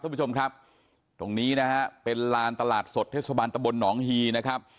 คุณผู้ชมครับตรงนี้นะฮะเป็นลานตลาดสดเทศบาลตะบลหนองฮีนะครับ